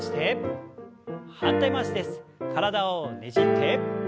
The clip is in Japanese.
体をねじって。